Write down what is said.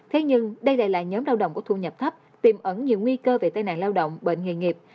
thế nhưng đây lại là nhóm lao động có thu nhập thấp tìm ẩn nhiều nguy cơ về tai nạn lao động bệnh nghề nghiệp